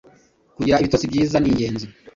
kugira ibitotsi byiza ningenzi.